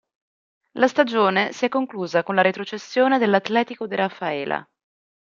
La stagione si è conclusa con la retrocessione dell'Atlético de Rafaela.